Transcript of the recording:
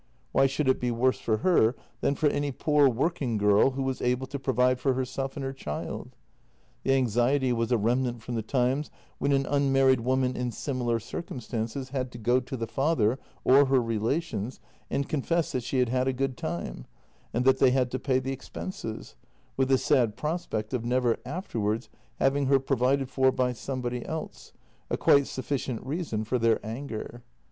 Why should it be worse for her than for any poor working girl, who was able to provide for herself and her child? The anxiety was a remnant from the times when an unmarried woman in similar circumstances had to go to the father or her relations and confess that she had had a good time, and that they had to pay the expenses — with the sad prospect of never afterwards having her provided for by somebody else — a quite sufficient reason for their anger.